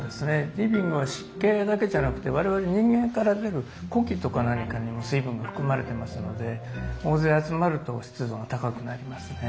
リビングは湿気だけじゃなくて我々人間から出る呼気とか何かにも水分が含まれてますので大勢集まると湿度が高くなりますね。